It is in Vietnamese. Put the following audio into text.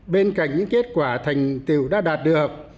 bên cạnh những kết quả thành tựu đã đạt được